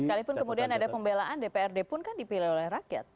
sekalipun kemudian ada pembelaan dprd pun kan dipilih oleh rakyat